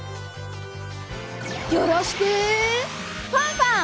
よろしくファンファン！